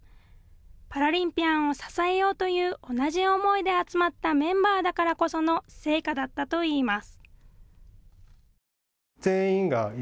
パラリンピアンを支えようという同じ思いで集まったメンバーだからこその成果だったといいます。